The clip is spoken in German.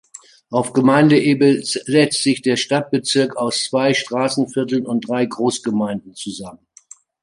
Auf Gemeindeebene setzt sich der Stadtbezirk aus zwei Straßenvierteln und drei Großgemeinden zusammen.